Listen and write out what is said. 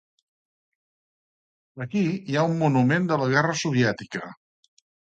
Aquí hi ha un monument de la guerra soviètica.